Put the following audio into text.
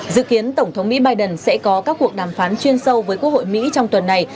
dự kiến tổng thống mỹ biden sẽ có các cuộc đàm phán chuyên sâu với quốc hội mỹ trong tuần này